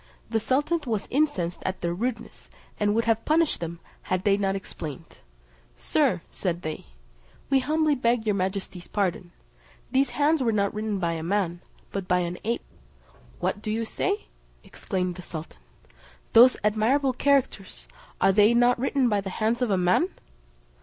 The sultan was incensed at their rudeness, and would have punished them had they not explained: "Sir," said they, "we humbly beg your majesty's pardon: these hands were not written by a man, but by an ape." "What do you say?" exclaimed the sultan. "Those admirable characters, are they not written by the hands of a man?"